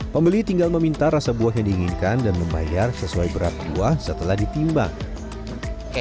pembeli tinggal meminta rasa buah yang diinginkan dan membayar sesuai berat buah setelah ditimbang